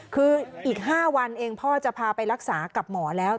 คืออีก๕วันเองพ่อจะพาไปรักษากับหมอแล้ว